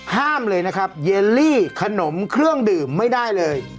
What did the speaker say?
ห้ามเลยนะครับเยลลี่ขนมเครื่องดื่มไม่ได้เลย